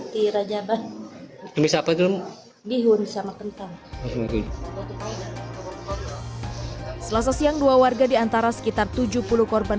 tira jaban bisa pedun dihuni sama kentang selasa siang dua warga di antara sekitar tujuh puluh korban